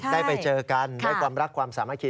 ได้ไปเจอกันได้ความรักความสามัคคี